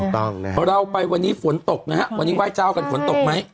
ถูกต้องนะครับเราไปวันนี้ฝนตกนะฮะวันนี้ไห้เจ้ากันฝนตกไหม